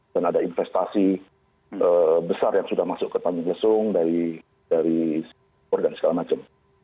dan ada investasi besar yang sudah masuk ke tanggung lesung dari dari sebuah organ segala macam